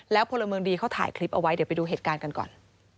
พลเมืองดีเขาถ่ายคลิปเอาไว้เดี๋ยวไปดูเหตุการณ์กันก่อน